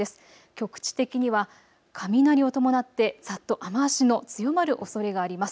局地的には雷を伴ってざっと雨足の強まるおそれがあります。